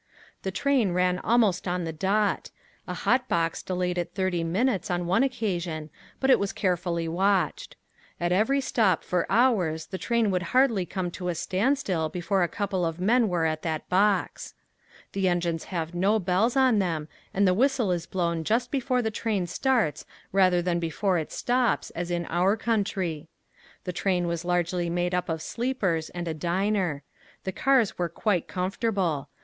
The train ran almost on the dot. A hotbox delayed it thirty minutes on one occasion but it was carefully watched. At every stop for hours the train would hardly come to a standstill before a couple of men were at that box. The engines have no bells on them and the whistle is blown just before the train starts rather than before it stops as in our country. The train was largely made up of sleepers and a diner. The cars were quite comfortable.